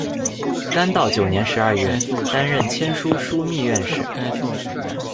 干道九年十二月，担任签书枢密院事。